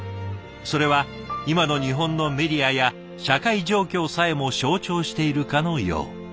それは今の日本のメディアや社会状況さえも象徴しているかのよう。